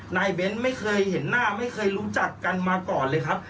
เบ้นไม่เคยเห็นหน้าไม่เคยรู้จักกันมาก่อนเลยครับ